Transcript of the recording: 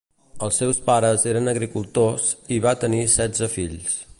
Els seus pares eren agricultors i va tenir setze fills.